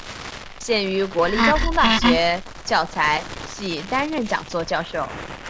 现于国立交通大学材料系担任讲座教授。